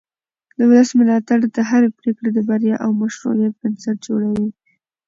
د ولس ملاتړ د هرې پرېکړې د بریا او مشروعیت بنسټ جوړوي